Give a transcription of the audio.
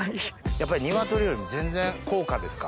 やっぱりニワトリよりも全然高価ですか？